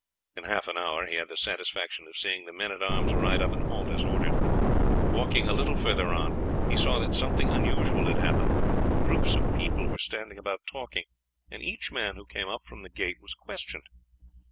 In half an hour he had the satisfaction of seeing the men at arms ride up and halt as ordered. Walking a little further on he saw that something unusual had happened. Groups of people were standing about talking, and each man who came up from the gate was questioned.